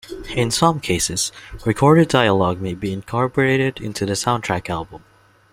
In some cases, recorded dialogue may be incorporated into the soundtrack album.